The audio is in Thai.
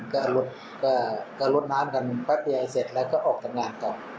ก็ลดน้ำกันแป๊บเดียวเสร็จแล้วก็ออกจากงานกัน